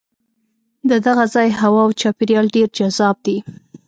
د دغه ځای هوا او چاپېریال ډېر جذاب دی.